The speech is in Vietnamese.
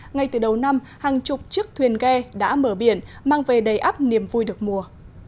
ngay từ đầu năm hàng chục chiếc thuyền ghe đã mở biển mang về đầy áp niềm vui được mùa